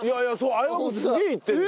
相葉君すげえいってるのよ。